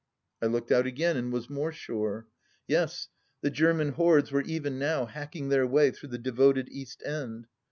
... I looked out again — ^and was more sure. ... Yes, the German hordes were even now hacking their way through the devoted East End.